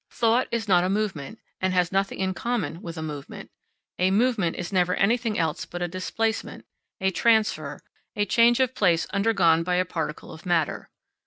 Thought is not a movement, and has nothing in common with a movement. A movement is never anything else but a displacement, a transfer, a change of place undergone by a particle of matter.